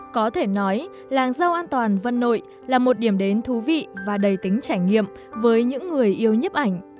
có thể nói làng rau an toàn vân nội là một điểm đến thú vị và đầy tính trải nghiệm với những người yêu nhấp ảnh